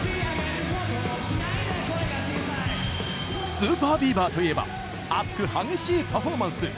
ＳＵＰＥＲＢＥＡＶＥＲといえば熱く激しいパフォーマンス！